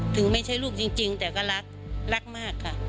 ถึงไม่ใช่ลูกจริงแต่ก็รักรักมากค่ะ